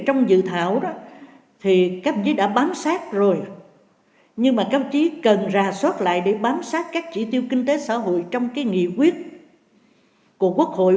trong đó có các nghị quyết của bộ chính trị luật thủ đô để đưa ra các chỉ tiêu phát triển kinh tế xã hội